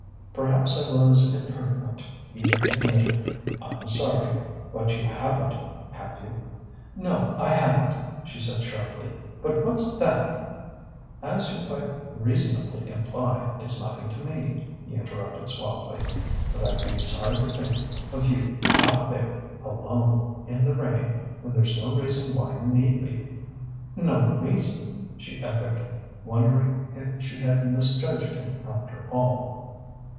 "Perhaps I was impertinent," he admitted. "I'm sorry.... But you haven't have you?" "No, I haven't," she said sharply. "But what's that " "As you quite reasonably imply, it's nothing to me," he interrupted suavely. "But I'd be sorry to think of you out there alone in the rain when there's no reason why you need be." "No reason!" she echoed, wondering if she had misjudged him after all.